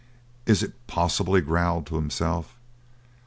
"Is it possible?" he growled to himself.